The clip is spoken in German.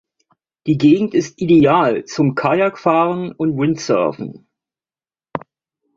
Die Gegend ist ideal zum Kajakfahren und Windsurfen.